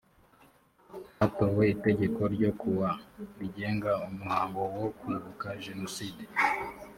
hatowe itegeko n ryo kuwa rigenga umuhango wo kwibuka jenoside